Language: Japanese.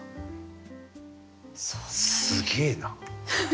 すげえな。